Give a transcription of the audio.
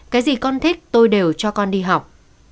cái gì con thích tôi đều cho con đi học